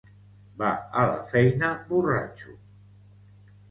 Va a la feina borratxo